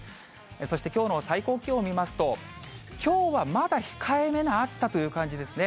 そしてきょうの最高気温を見ますと、きょうはまだ控えめな暑さという感じですね。